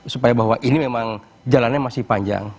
supaya bahwa ini memang jalannya masih panjang